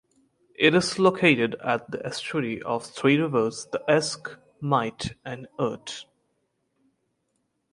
It is located at the estuary of three rivers: the Esk, Mite and Irt.